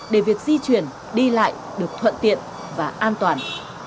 để việc di chuyển đi lại được thuận tiện và an toàn